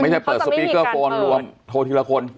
จะเปิดสปีกเกอร์โฟนรวมโทรทีละคน